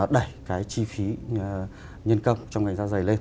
đẩy cái chi phí nhân công trong ngành da dày lên